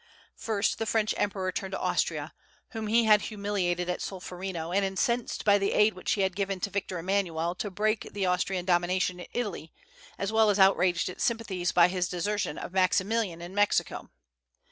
First, the French emperor turned to Austria, whom he had humiliated at Solferino and incensed by the aid which he had given to Victor Emmanuel to break the Austrian domination in Italy, as well as outraged its sympathies by his desertion of Maximilian in Mexico.